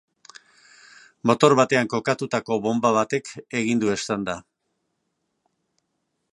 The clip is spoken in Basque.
Motor batean kokatutako bonba batek egin du eztanda.